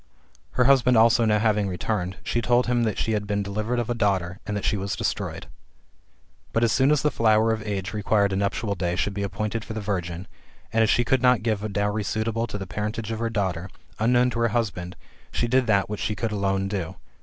Her husband also having now returned, she told him that she had been delivered of a daughter, and that she was destroyed. But as soon as the flower of age required a nuptial day should be appointed for the virgin, and as she could not give a dowry suitable to the parentage of her daughter, unknown to her husband, she did GOLDEN ASS, OF APULEIUS. — BOOK X. 1 83 that which she could alone do, viz.